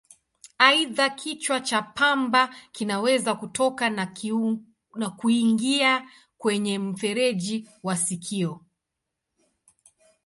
Aidha, kichwa cha pamba kinaweza kutoka na kuingia kwenye mfereji wa sikio.